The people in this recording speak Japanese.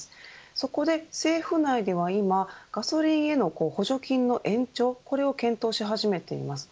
そこで政府内では、今ガソリンへの補助金の延長これを検討し始めています。